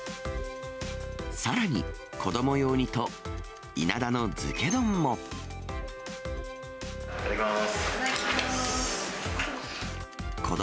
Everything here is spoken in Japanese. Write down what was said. さらに、子ども用にと、いただきます。